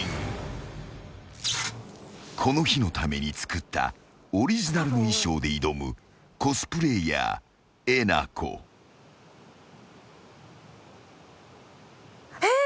［この日のために作ったオリジナルの衣装で挑むコスプレーヤーえなこ］えっ！？